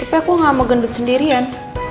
tapi aku gak mau gendut sendirian